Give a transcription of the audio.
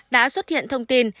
đã xuất hiện thông tin